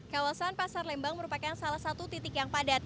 kawasan pasar lembang merupakan salah satu titik yang padat